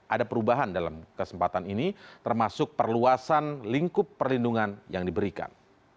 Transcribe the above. ada perubahan dalam kesempatan ini termasuk perluasan lingkup perlindungan yang diberikan